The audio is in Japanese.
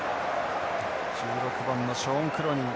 １６番のショーンクロニン。